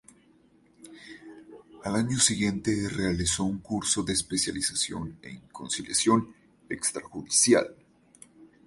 Al año siguiente realizó un curso de especialización en conciliación extrajudicial.